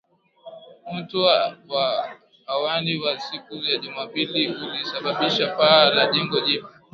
Moto wa awali wa siku ya Jumapili ulisababisha paa la jengo jipya